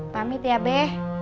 pamit ya be